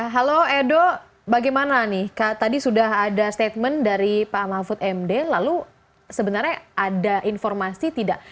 halo edo bagaimana nih tadi sudah ada statement dari pak mahfud md lalu sebenarnya ada informasi tidak